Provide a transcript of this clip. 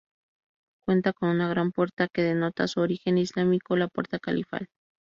Cuenta con una gran puerta que denota su origen islámico, la "Puerta Califal".